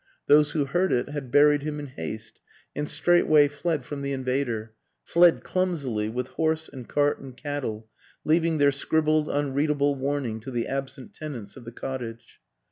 Those who heard it had buried him in haste, and straightway fled from the invader fled clumsily, with horse and cart and cattle, leav ing their scribbled, unreadable warning to the ab sent tenants of the cottage.